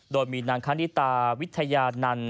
โดยมีนางคณิตาวิทยานันต์